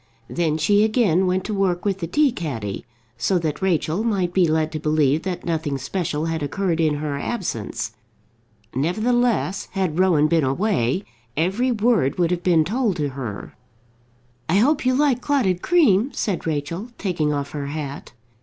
Then she again went to work with the tea caddy, so that Rachel might be led to believe that nothing special had occurred in her absence. Nevertheless, had Rowan been away, every word would have been told to her. "I hope you like clotted cream," said Rachel, taking off her hat.